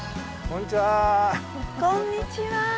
こんにちは。